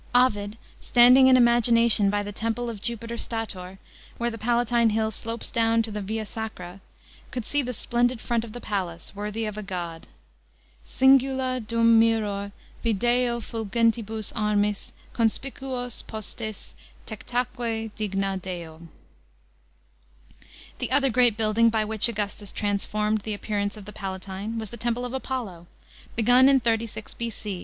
Ovid, standing in imagination by the temple of Jupiter Stator, where the Palatine hill slopes down to the Via Sacra, could see the splendid iront of the palace, " worthy of a god." Singula dmn miror, video fnlgentibus armis Conspicuo. posies tectaque digna deo.* The other great building by which Augustus transformed the appearance of the Palatine was the temple of Apollo, begun in 36 B.C.